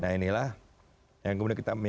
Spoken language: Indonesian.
nah inilah yang kemudian kita